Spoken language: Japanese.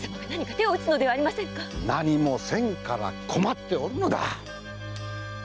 何もせんから困っておるのだ！